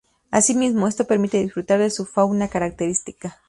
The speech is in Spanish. Asimismo, esto permite disfrutar de su fauna característica.